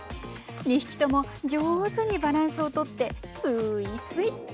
２匹とも上手にバランスを取ってすいすい。